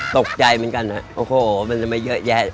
ตกใจเหมือนกันฮะโอ้โหมันจะไม่เยอะแยะ